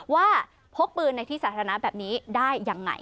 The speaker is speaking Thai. ว่าพกปืนในที่สถานะแบบนี้ได้ยังไง